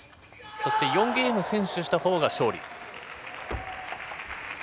そして４ゲーム先取したほうが勝利。